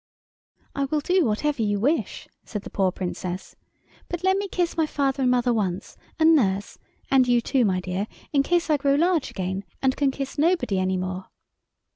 "I will do whatever you wish," said the poor Princess, "but let me kiss my father and mother once, and Nurse, and you, too, my dear, in case I grow large again and can kiss nobody any more."